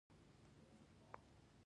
لکه د جمهوریت په وخت کې